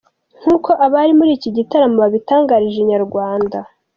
Nk’uko abari muri iki gitaramo babitangarije Inyarwanda.